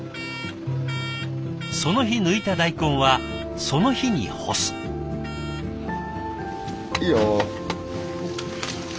その日抜いた大根はその日に干す。いいよ。